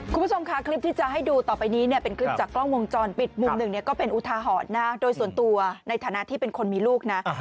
คุณผู้ชมค่ะคลิปที่จะให้ดูต่อไปนี้เนี่ยเป็นคลิปจากกล้องวงจรปิดมุมหนึ่งเนี่ยก็เป็นอุทาหรณ์นะโดยส่วนตัวในฐานะที่เป็นคนมีลูกนะ